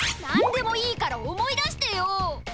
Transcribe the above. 何でもいいから思い出してよ！